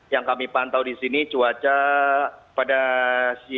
yang kami pantau di sini cuaca pada siang